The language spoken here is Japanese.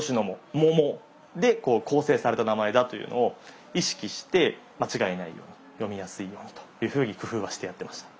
「モモ」で構成された名前だというのを意識して間違えないように読みやすいようにというふうに工夫はしてやってました。